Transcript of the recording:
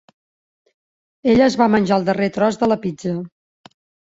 Ella es va menjar el darrer tros de la pizza